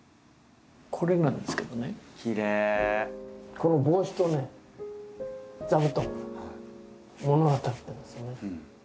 この帽子とね座布団が物語ってるんですね。